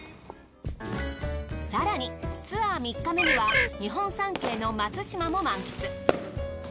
更にツアー３日目には日本三景の松島も満喫。